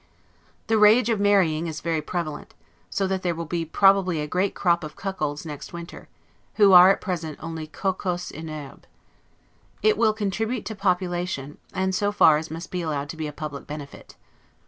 The rage of marrying is very prevalent; so that there will be probably a great crop of cuckolds next winter, who are at present only 'cocus en herbs'. It will contribute to population, and so far must be allowed to be a public benefit.